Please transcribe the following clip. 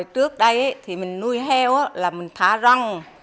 trước đây mình nuôi heo là mình thả rông